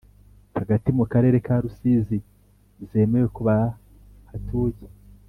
hagati mu karere ka rusizi zemewe ku bahatuye,